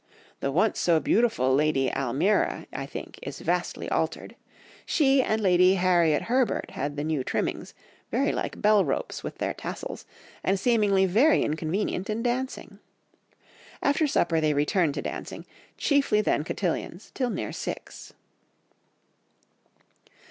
The once so beautiful Lady Almeria I think is vastly altered. She and Lady Harriot Herbert had the new trimmings, very like bell ropes with their tassels, and seemingly very inconvenient in dancing. After supper they returned to dancing, chiefly then cotillions, till near six."